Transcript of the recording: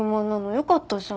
よかったじゃん。